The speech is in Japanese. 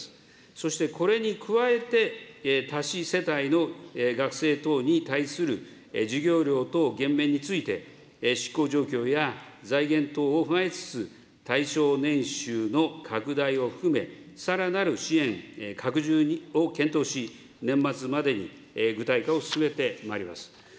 そしてこれに加えて、多子世帯の学生等に対する授業料等減免について、執行状況や財源等を踏まえつつ、対象年収の拡大を含め、さらなる支援拡充を検討し、年末までに具体化を進めてまいります。